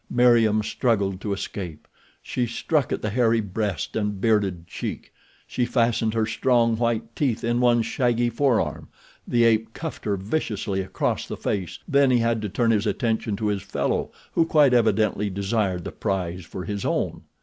Meriem struggled to escape. She struck at the hairy breast and bearded cheek. She fastened her strong, white teeth in one shaggy forearm. The ape cuffed her viciously across the face, then he had to turn his attention to his fellow who quite evidently desired the prize for his own.